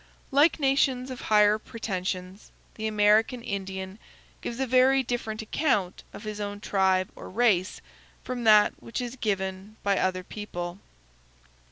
Like nations of higher pretensions, the American Indian gives a very different account of his own tribe or race from that which is given by other people.